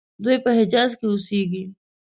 دوی په حجاز کې اوسیږي.